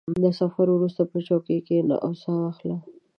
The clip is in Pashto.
• د سفر وروسته، په چوکۍ کښېنه او سا واخله.